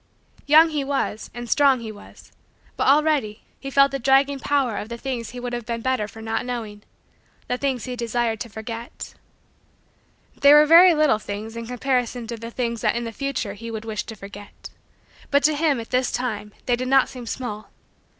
Young he was, and strong he was, but, already, he felt the dragging power of the things he would have been better for not knowing the things he desired to forget. They were very little things in comparison to the things that in the future he would wish to forget; but to him, at this time, they did not seem small.